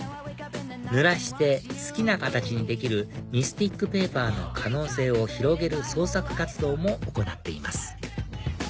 ぬらして好きな形にできるミスティックペーパーの可能性を広げる創作活動も行っています